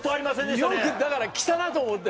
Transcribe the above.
よくだから着たなと思って。